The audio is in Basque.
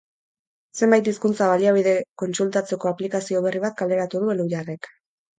Zenbait hizkuntza-baliabide kontsultatzeko aplikazio berri bat kaleratu du Elhuyarrek.